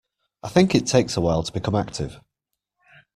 I think it takes a while to become active.